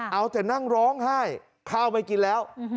เอาแต่นั่งร้องไห้ข้าวไม่กินแล้ว